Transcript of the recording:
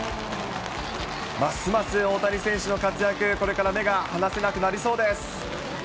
ますます大谷選手の活躍、これから目が離せなくなりそうです。